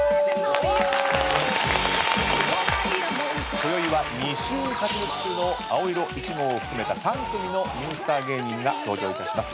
こよいは２週勝ち抜き中の青色１号を含めた３組のニュースター芸人が登場いたします。